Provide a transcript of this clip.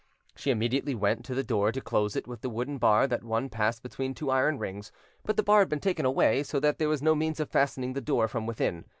She immediately went to the door to close it with the wooden bar that one passed between two iron rings, but the bar had been taken away, so that there was no means of fastening the door from within.